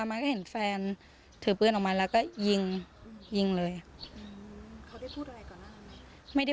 ไม่ได้พูดอะไรค่ะตกใจค่ะ